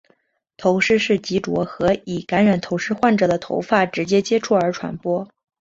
头虱是藉着和已感染头虱患者的头发直接接触而传播。